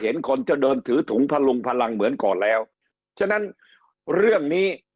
เห็นคนจะเดินถือถุงพลุงพลังเหมือนก่อนแล้วฉะนั้นเรื่องนี้